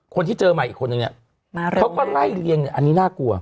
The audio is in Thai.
คนที่เจอใหม่อีกคนนึงเนี่ยเขาก็ไล่เรียงเนี่ยอันนี้น่ากลัว